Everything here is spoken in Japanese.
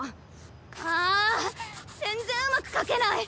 あっ全然うまく描けない！